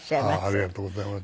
ありがとうございます。